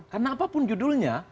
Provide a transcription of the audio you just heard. karena apapun judulnya